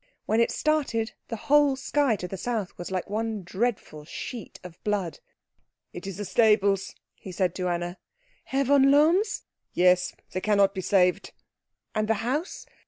When it started, the whole sky to the south was like one dreadful sheet of blood. "It is the stables," he said to Anna. "Herr von Lohm's?" "Yes. They cannot be saved." "And the house?"